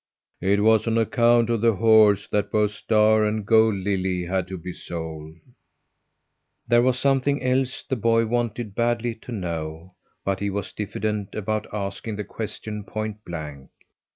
It was on account of the horse that both Star and Gold Lily had to be sold." There was something else the boy wanted badly to know, but he was diffident about asking the question point blank.